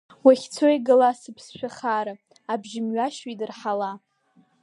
Уахьцо игала сыԥсшәа хаара, абжьы мҩашьо идырҳала!